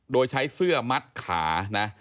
โดยใช้เสื้อมัดขานะ